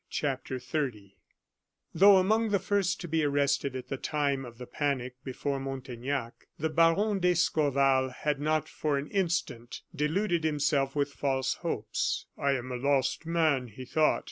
CHAPTER XXX Though among the first to be arrested at the time of the panic before Montaignac, the Baron d'Escorval had not for an instant deluded himself with false hopes. "I am a lost man," he thought.